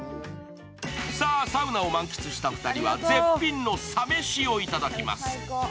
サウナを満喫した２人は絶品のサ飯ｗをいただきます。